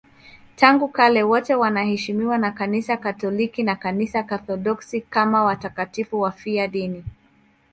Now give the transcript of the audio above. Tangu kale wote wanaheshimiwa na Kanisa Katoliki na Kanisa la Kiorthodoksi kama watakatifu wafiadini.